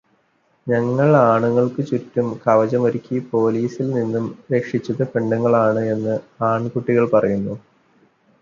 ഞങ്ങള് ആണുങ്ങള്ക്കു ചുറ്റും കവചമൊരുക്കി പോലീസില്നിന്നു രക്ഷിച്ചത് പെണ്ണുങ്ങളാണ്’ എന്ന് ആണ്കുട്ടികള് പറയുന്നു